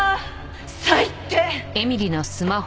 最低！